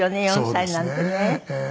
４歳なんてね。